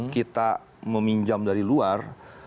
kita meminjam dari luar